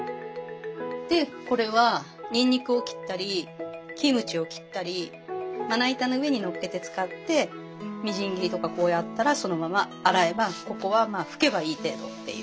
でこれはニンニクを切ったりキムチを切ったりまな板の上にのっけて使ってみじん切りとかこうやったらそのまま洗えばここはまあ拭けばいい程度っていう。